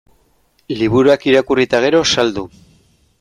Liburuak irakurri eta gero, saldu.